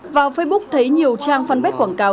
vào facebook thấy nhiều trang fanpage quảng cáo